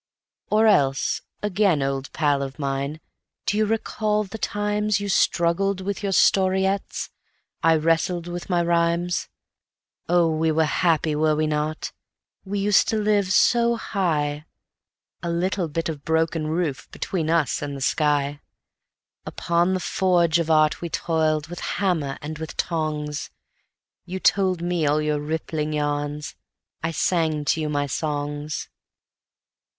II Or else, again, old pal of mine, do you recall the times You struggled with your storyettes, I wrestled with my rhymes; Oh, we were happy, were we not? we used to live so "high" (A little bit of broken roof between us and the sky); Upon the forge of art we toiled with hammer and with tongs; You told me all your rippling yarns, I sang to you my songs.